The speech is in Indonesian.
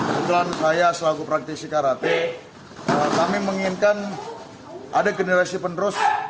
kebetulan saya selaku praktisi karate kami menginginkan ada generasi penerus